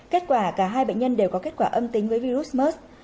kết quả cả hai bệnh nhân đều có kết quả âm tính với virus mers